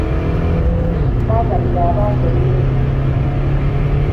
Baagabira abavu emmere.